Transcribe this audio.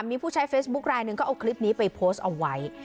มีผู้ใช้เฟซบุ๊คลายหนึ่งก็เอาคลิปนี้ไปโพสต์เอาไว้